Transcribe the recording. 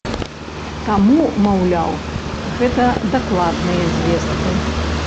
Таму, маўляў, гэта дакладныя звесткі.